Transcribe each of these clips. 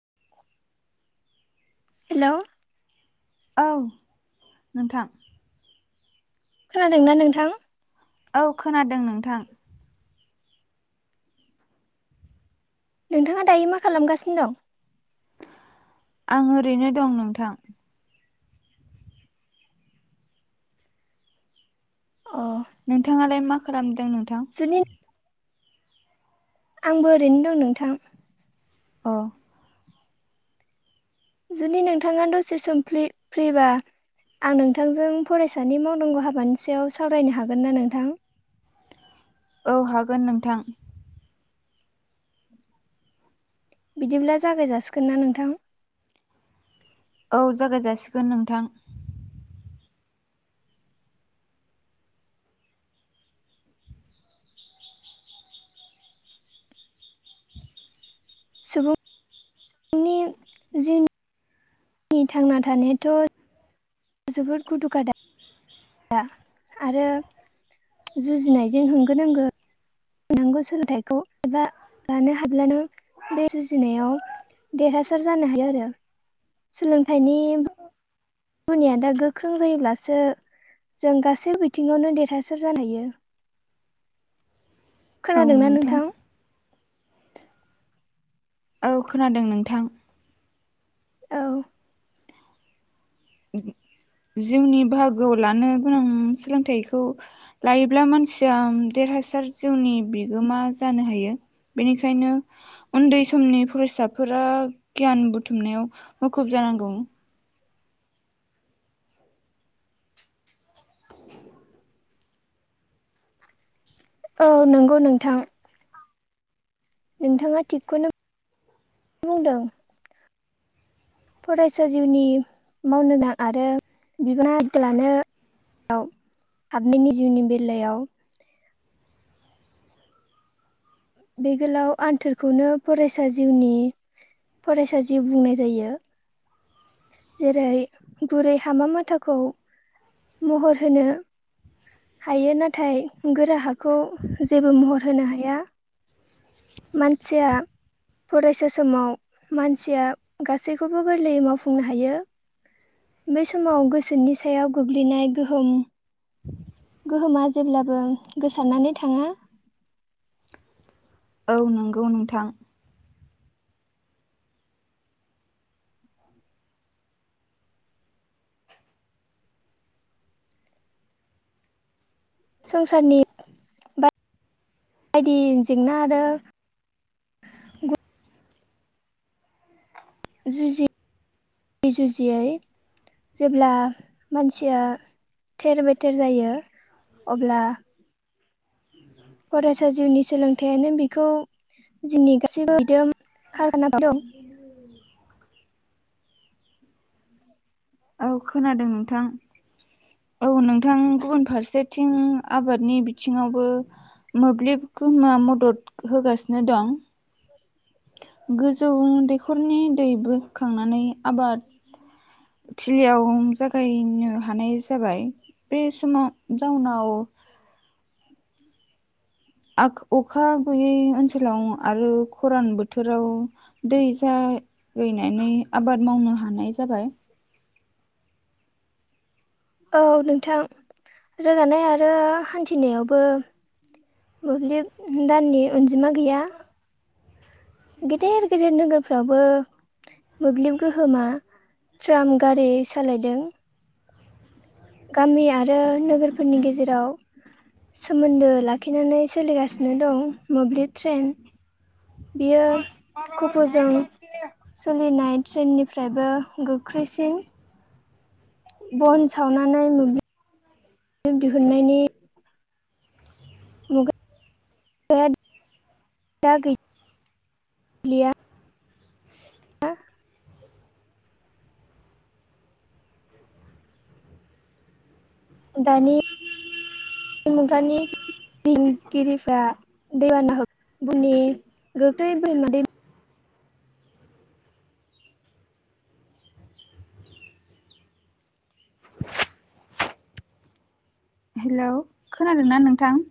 [inaudible] हेल' औ नोंथां। खोनादोंना नोंथां? औ खोनादों नोंथां। नोंथाङा दायो मा खालामगासिनो दं। आं ओरैनो दं नोंथां। अ। नोंथाङालाय मा खालाम सुनि। आंबो ओरैनो दं नोंथां। अ। जुदि नोंथाङा दसे सम फ्रि-फ्रिबा आं नोंथांजों फरायसानि मावनांगौ हाबानि सायाव सावरायनो हागोन ना नोंथां? औ हागोन नोंथां। बिदिब्ला जागाय जाासिगोन ना नोंथां। औ जागाय जासिगोन नोंथां। सुबुं। नि जिउ। नि थांना थानायाथ'। जोबोद गुदु गादा। आरो जुजिनायजों होंगो दोंगो नोंगौ सोलोंथाइखौ एबा लानो हाब्लानो बे जुजिनायाव देरहासार जानो हायो आरो सोलोंथाइनि। दुनिया दा गोख्रों जायोब्लासो जों गासै बिथिङावनो देरहासार जानो हायो। खोनादोंना नोंथां औ खोनादों नोंथां। औ। जिउनि बाहागोआव लानो गोनां सोलोंथाइखौ लायोब्ला मानसिया देरहासार जिउनि बिगोमा जानो हायो बेनिखायनो उन्दै समनि फरायसाफोरा गियान बुथुमनायाव मुखुब जानांगौ। औ नंगौ नोंथां। नोंथाङा थिगखौनो बुंदों। फरायसा जिउनि मावनोनां आरो बिबाना आ लानायाव हाबनायनि जिउनि बेलायाव। बे गोलाव आन्थोरखौनो फरायसा जिउनि फरायसा जिउ बुंनाय जायो। जेरै बुरै हामा माथाखौ महर होनो। हायो नाथाय गोरा हाखौ जेबो महर होनो हाया मानसिया फरायसा समाव मानसिया गासैखौबो गोरलैयै मावफुंनो हायो। बे समाव गोसोनि सायाव गोग्लैनाय गोहोम गोहोमा जेब्लाबो गोसारनानै थाङा औ नंगौ नोंथां। संसारनि बायदि जेंना आरो ग जुजियै जुजियै जेब्ला मानसिया थेर-बेथेर जायो अब्ला फरायसा जिउनि सोलोंथायाइयानो बेखौ जोंनि गासैबो बिद खाराना दं औ खोनादों नोंथां औ नोंथां गुबुन फारसेथिं आबादनि बिथिङावबो मोब्लिब खोमा मदद होगासिनो दं गोजौ दैखरनि दै बोखांनानै आबाद थिलियाव गैनो हानाय जाबाय बे समाव जाउनाव आंख अखा गैयै ओनसोलाव आरो खरान बोथोराव दै जागैनानै आबाद मावनो हानाय जाबाय। औ नोंथां रोगानाय आरो हान्थिनायावबो मोब्लिब दाननि अनजिमा गैया। गेदेर-गेदेर नोगोरफ्रावबो मोब्लिब गोहोमा ट्राम गारि सालायदों। गामि आरो नोगोरफोरनि गेजेराव सोमोन्दो लाखिनानै सोलिगासिनो दं मोब्लिब ट्रेन बियो कफ'जों सोलिनाय ट्रेननिफ्रायबो गोख्रैसिन बन सावनानै मोब्लिब दिहुननायनि दा दा गैलिया । दानि मुगानि दिंगिरिफ्रा दैबानानि गोख्लै बमा दै हेलौ खोनादोंना नोंथां ।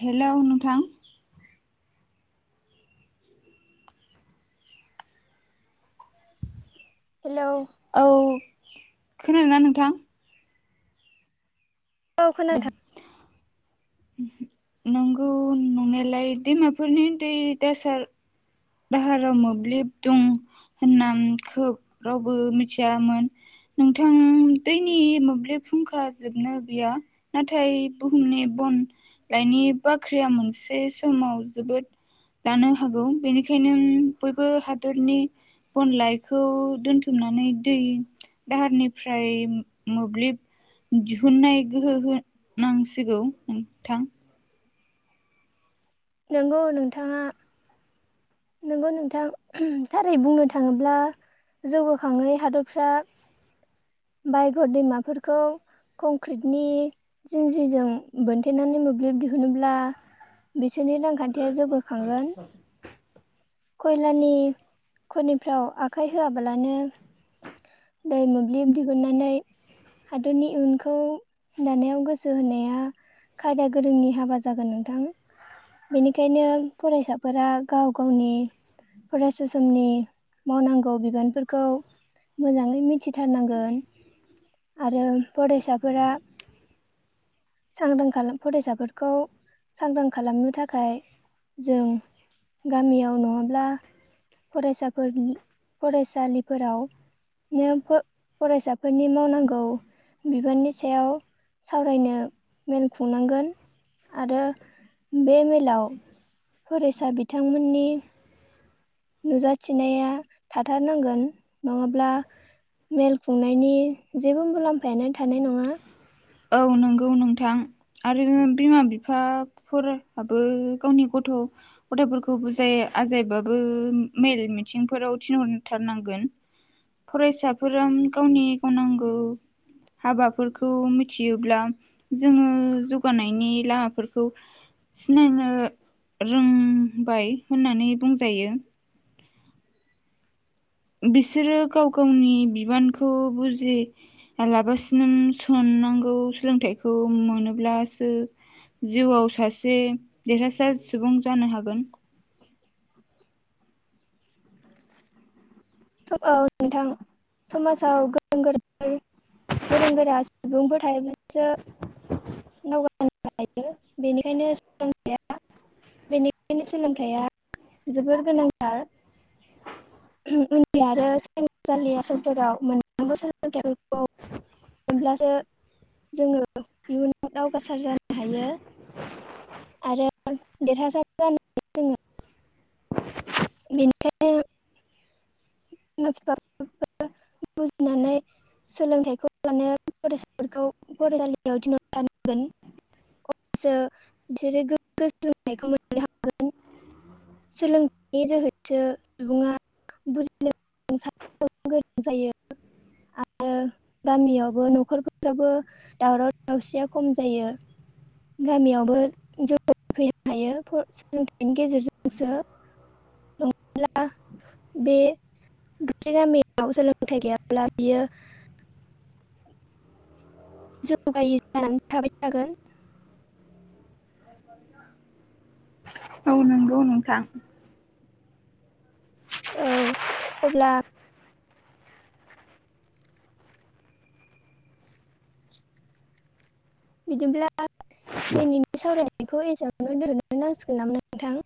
हेलौ नोंथां। हेलौ औ खोनादोंना नोंथां। औ खोना दों। नंगौ नंनायालाय दैमाफोरनि दै दासार दाहाराव मोब्लिब दं होनना खोब रावबो मिथियामोन नोंथां दैनि मोब्लिब फुंखा जोबनो गैया नाथाय बुहुमनि बन लइनि बाख्रिया ओंखायनो बयबो हादरनि बन लाइखौ दोनथुमनानै दै दाहारनिफ्राय मोब्लिब दिहुननाय गोहो होनांसिगौ नोंथां। नंगौ नोंथाङा नंगौ नोंथां थारै बुंनो थाङोब्ला जौगाखाङै हादरफ्रा बायगर दैमाफोरखौ कंक्रिटनि जिन्जजों बोनथेनानै मोब्लिब दिहुनोब्ला बिसोरनि रांखान्थिया जौगाखांगोन खयलानि खनिफ्राव आखाइ होआब्लानो फरायसा समनि मावनांगौ बिबानफोरखौ मोजाङै मिथिथारनांगोन। आरो फरायसाफोरा सांग्रां फरायसाफोरखौ सांग्रां खालामनो थाखाय जों गामिआव नङाब्ला फरायसाफोरनि फरायसालिफोरावनो फरायसाफोरनि मावनां गौ बिबाननि सायाव सावरायनो मेल खुंनांगोन आरो बे मेलाव फरायसा बिथांमोननि नुजाथिनाया थाथारनांगोन नङाब्ला मेल खुंनायनि जेबो मुलाम्फायानो थानाय नङा । औ नंगौ नोंथां आरो बिमा बिफाफोराबो गावनि गथ गथफोरखौ बुजाय आजायबाबो मेल मिथिंफोराव थिनहरथारनांगोन फरायसाफोरा गावनि गावनांगौ हाबाफोरखौ मिथियोब्ला जोङो जौगानायनि लामाफोरखौ सिनायनो रोंबाय होननानै बुंजायो । बिसोरो गाव गावनि बिबानखौ बुजि लाबासिनो साननांगौ सोलोंथाइखौ मोनोब्लासो जिउआव सासे देरहासार सुबुं जानो हागोन । औ नोंथां समाजाव गोरों-गोरा, गोरों-गोरा सुबुंफोर थायोब्लासो हायो बेनिखायनो बेनिखायनो सोलोंथाइया जोबोर गोनांथार उन्दै आरो सोलोंसालिफोराव मोनफ्रामबो सोलोंथाइफोरखौ मोनब्लासो जोङो इयुन दावगासार जानो हायो आरो देरहासार जानो हायो जोङो बेनिखायनो बिमा बिफा बुजिनानै सोलोंथाइखौ लानाया फरायसाफोरखौ फरायसालियाव थिनहर थारनांगोन अब्लासो बिसोरो गोग्गो सोलोंथायखौ मोननो हागोन सोलोंथाइनि जोहैसो सुबुङा बुजिनो गोरों साननो गोरों जायो आरो गामियावबो न'खरफोरावबो दावराव दावसिया खम जायो गामियावबो जौगा फैनो हायो सोलोंथाइनि गेजेरजोंसो नङाब्ला बे गामियाव सोलोंथाइ गैयाब्ला बियो जौगायि जानानै थाबाय थागोन औ नंगौ नोंथां औ अब्ला बिदिब्ला दिनैनि सावरायनायखौ एसेयावनो दोनथ'नो नांसिगोन नामा नोंथां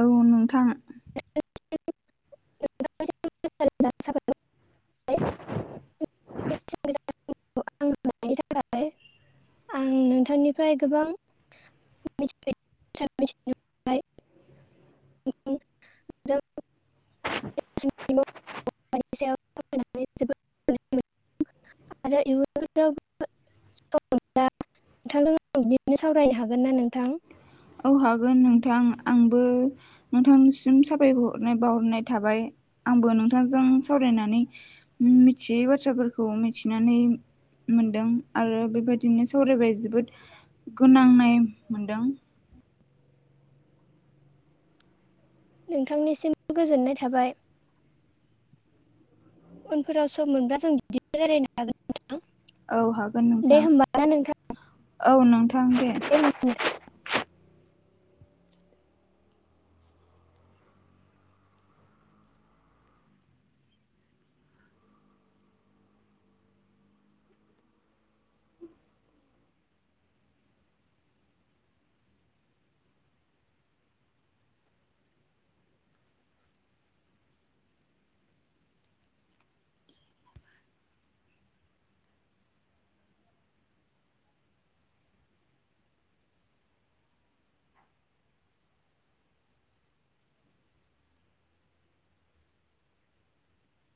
औ नोंथां [unintelligible] थाखाय आं नोंथांनिफ्राय गोबां मिथिफेरै बाथ्रा मिथिनो मोनबाय सायाव सावरायनानै जोबोद गोजोननाय मोनबाय आरो इयुनावबो सम मोनब्ला नोंथांजों आं बिदिनो सावरायनो हागोन ना नोंथां औ हागोन नोंथां आंबो नोंथांनिसिम सााबायखर हरनाय बावहरनाय थाबाय आंबो नोंथांजों सावरायनानै मिथियै बाथ्राफोरखौ मिथिनानै मोनदों आरो बेबायदिनो सावरायबाय जोबोद गोनांनाय मोनदों नोंथांनिसिमबो गोजोननाय थाबाय उनफोराव सम मोनब्ला जों बिदिनो रायलायनो हागोन नोंथां औ हागोन दे नोंथां होमबा ना नोंथां औ नोंथां थां दे होमबा दे